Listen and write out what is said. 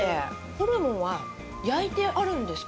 ホルモンは焼いてあるんですか？